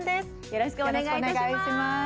よろしくお願いします。